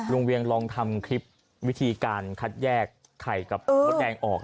เวียงลองทำคลิปวิธีการคัดแยกไข่กับมดแดงออก